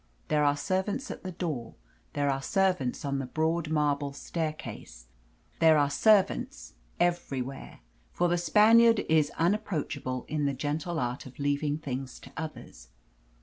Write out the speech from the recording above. There are servants at the door, there are servants on the broad marble staircase, there are servants everywhere! for the Spaniard is unapproachable in the gentle art of leaving things to others.